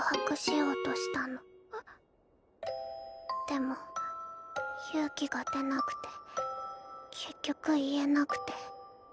でも勇気が出なくて結局言えなくて。